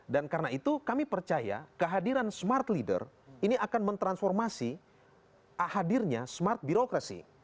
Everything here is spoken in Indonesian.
dan karena itu kami percaya kehadiran smart leader ini akan mentransformasi hadirnya smart birokrasi